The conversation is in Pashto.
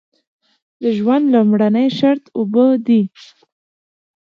د ژوند لومړنی شرط اوبه دي.